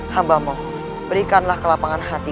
hambamu berikanlah kelapangan hati